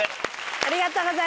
ありがとうございます。